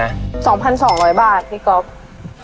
๒๒๐๐บาทพี่ก๊อฟ